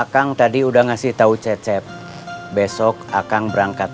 kalau udah akang cek surat suratnya lengkap